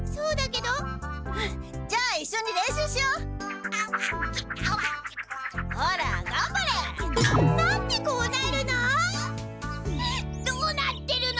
どうなってるの？